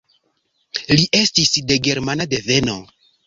Li estis de germana deveno.